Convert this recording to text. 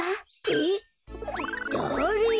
えっ？だれ？